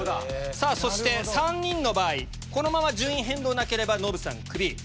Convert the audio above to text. そして３人の場合このまま順位変動なければノブさんクビ。